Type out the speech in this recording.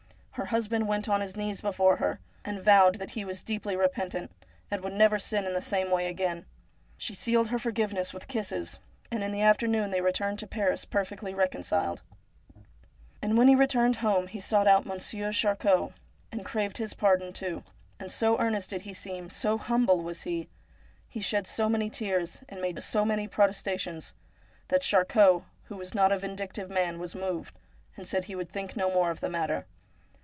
Her husband went on his knees before her, and vowed that he was deeply repentant, and would never sin in the same way again. She sealed her forgiveness with kisses, and in the afternoon they returned to Paris perfectly reconciled. And when he arrived home he sought out Monsieur Charcot, and craved his pardon too, and so earnest did he seem, so humble was he — he shed so many tears, and made so many protesta tions — that Charcot, who was not a vindictive man, was moved, and said he would think no more of the matter.